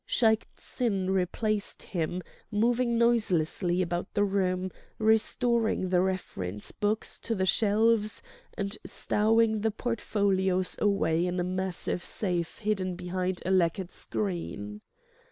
Shaik Tsin replaced him, moving noiselessly about the room, restoring the reference books to the shelves and stowing the portfolios away in a massive safe hidden behind a lacquered screen.